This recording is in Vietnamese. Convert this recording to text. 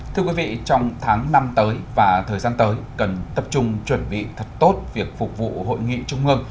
thưa quý vị trong tháng năm tới và thời gian tới cần tập trung chuẩn bị thật tốt việc phục vụ hội nghị trung ương